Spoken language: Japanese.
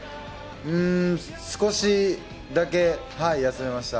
少しだけ休めました。